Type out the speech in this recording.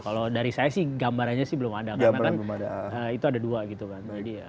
kalau dari saya sih gambarannya sih belum ada karena kan itu ada dua gitu kan